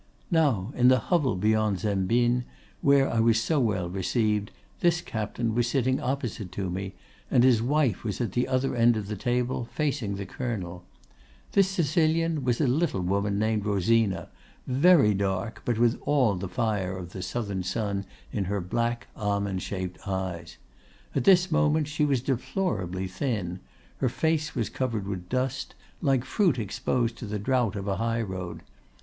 "Now, in the hovel beyond Zembin, where I was so well received, this captain was sitting opposite to me, and his wife was at the other end of the table, facing the Colonel. This Sicilian was a little woman named Rosina, very dark, but with all the fire of the Southern sun in her black almond shaped eyes. At this moment she was deplorably thin; her face was covered with dust, like fruit exposed to the drought of a highroad.